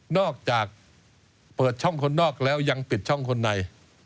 นอกจากเปิดช่องคนนอกแล้วยังปิดช่องคนใน